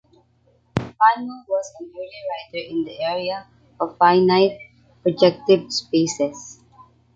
Fano was an early writer in the area of finite projective spaces.